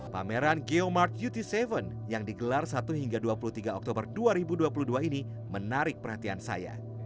pameran geomark ut tujuh yang digelar satu hingga dua puluh tiga oktober dua ribu dua puluh dua ini menarik perhatian saya